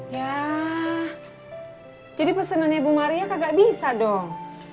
ya jadi pesenannya ibu maria kagak bisa dong